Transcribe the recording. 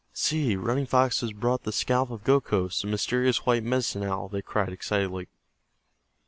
"See, Running Fox has brought the scalp of Gokhos, the mysterious white Medicine Owl," they cried, excitedly.